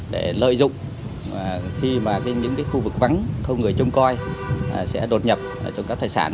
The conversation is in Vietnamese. để lợi dụng khi mà những khu vực vắng không người trông coi sẽ đột nhập trộm cắp tài sản